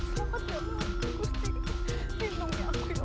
kau mulutnya ditutupin